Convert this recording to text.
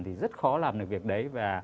thì rất khó làm được việc đấy và